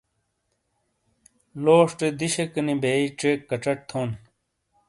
لوشٹے دیشیک نی بئی ڇیک کچٹ تھون۔